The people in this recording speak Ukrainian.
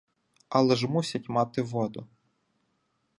Але ж мусять мати воду.